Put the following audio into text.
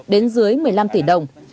đến dưới một mươi năm tỷ đồng